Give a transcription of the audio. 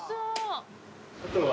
あとは。